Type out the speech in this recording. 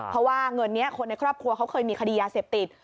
เพราะว่าเงินนี้คนในครอบครัวเขาเคยมีคดียาเสพติด